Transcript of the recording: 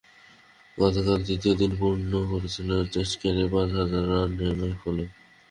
গতকাল তৃতীয় দিনে পূর্ণ করেছিলেন টেস্ট ক্যারিয়ারে পাঁচ হাজার রানের মাইলফলক।